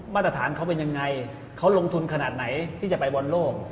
มาตรฐานเขาเป็นยังไงเขาลงทุนขนาดไหนที่จะไปบอลโลก